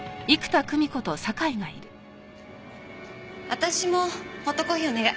私もホットコーヒーお願い。